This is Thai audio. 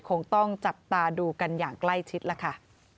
คงต้องจับตาดูกันอย่างใกล้ชิดล่ะค่ะ